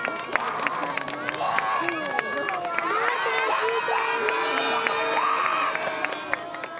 また来てねー！